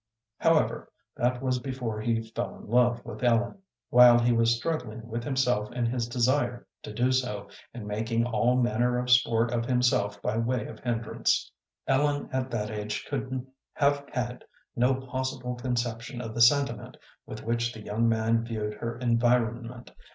However, that was before he fell in love with Ellen, while he was struggling with himself in his desire to do so, and making all manner of sport of himself by way of hindrance. Ellen at that age could have had no possible conception of the sentiment with which the young man viewed her environment.